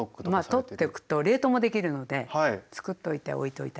まあ取っておくと冷凍もできるのでつくっといておいといたり。